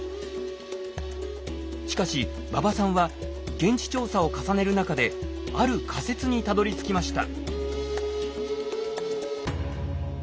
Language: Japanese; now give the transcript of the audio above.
しかし馬場さんは現地調査を重ねる中である仮説にたどりつきました。